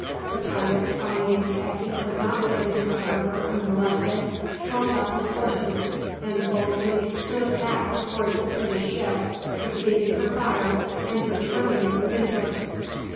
The pirate, finding that he could not get into the harbour unmolested, hauled up his courses, and boldly stood back towards the British ship, receiving her fire and returning it with interest.